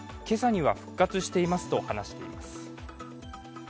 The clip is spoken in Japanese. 今朝には復活していますと話しています。